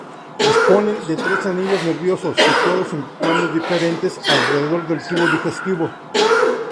Disponen de tres anillos nerviosos situados en planos diferentes alrededor del tubo digestivo.